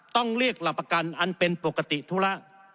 ต้องเรียกหลักประกันอันเป็นปกติธุระ